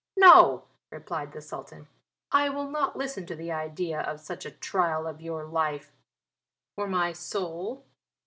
"No," replied the Sultan, "I will not listen to the idea of such a trial of your life for my soul."